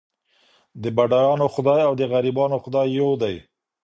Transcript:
د بډایانو خدای او د غریبانو خدای یو دی.